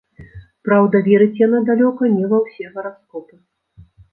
Праўда, верыць яна далёка не ва ўсе гараскопы.